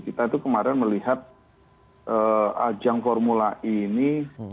kita itu kemarin melihat ajang formula e ini